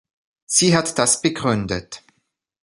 Sie hat das begründet.